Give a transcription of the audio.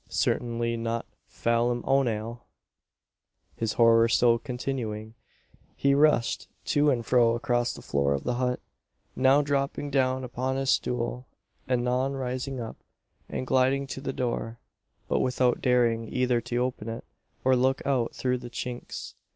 Certainly not "Phaylim Onale." His horror still continuing, he rushed to and fro across the floor of the hut; now dropping down upon the stool, anon rising up, and gliding to the door; but without daring either to open it, or look out through the chinks.